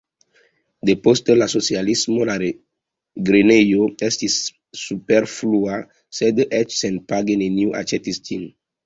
Depost la socialismo la grenejo estis superflua, sed eĉ senpage neniu aĉetis ĝin.